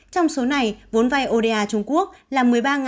trong số này vốn vai oda trung quốc là một mươi ba tám trăm linh